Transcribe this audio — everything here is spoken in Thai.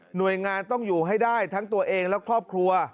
หน่วยงานต้องอยู่ให้ได้ทั้งตัวเองและครอบครัว